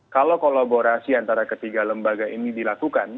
kalau kolaborasi antara ketiga lembaga ini dilakukan